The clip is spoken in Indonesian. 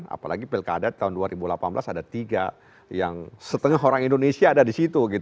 apalagi pilkada tahun dua ribu delapan belas ada tiga yang setengah orang indonesia ada di situ